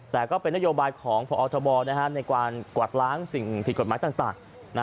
แต่ก็เป็นนโยบายของพอทบในการกวาดล้างสิ่งผิดกฎหมายต่าง